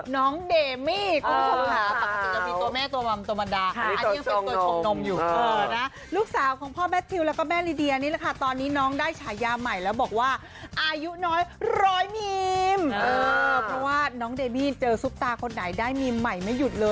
น้องเดมี่คุณผู้ชมขาปกติจะมีตัวแม่ตัวมันตก